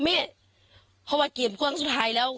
แม่เพราะว่าเกมความสุดท้ายแล้ว